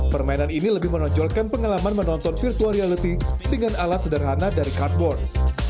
permainan ini lebih menonjolkan pengalaman menonton virtual reality dengan alat sederhana dari cardboard